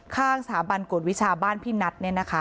ข้างสถาบันกฏวิชาบ้านพี่นัทเนี่ยนะคะ